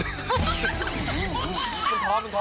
มันท้อมันท้อ